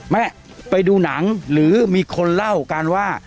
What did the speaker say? ไปดูหนังหรือมีคนเล่ากันว่า